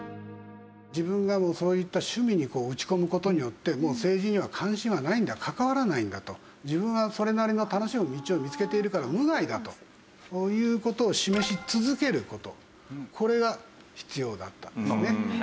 自分がそういった趣味に打ち込む事によってもう政治には関心はないんだ関わらないんだと自分はそれなりの楽しむ道を見つけているから無害だとという事を示し続ける事これが必要だったんですね。